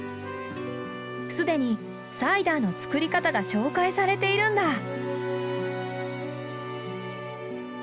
既にサイダーの作り方が紹介されているんだ。